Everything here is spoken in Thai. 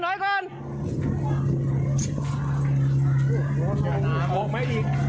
โหไม่ดี